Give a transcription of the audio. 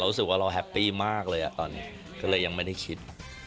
เราเห็นว่าเราแฮปปี้มากเลยปราบเลยยังไม่ได้คิด